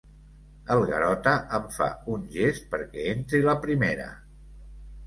El Garota em fa un gest perquè entri la primera.